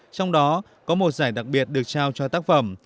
trong đó có một giải đặc biệt được trao cho tác phẩm